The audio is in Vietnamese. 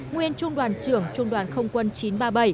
nguyên trung đoàn trưởng trung đoàn không quân chín trăm ba mươi bảy